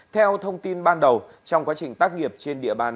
theo thông tin ban đầu trong quá trình tác nghiệp trên địa bàn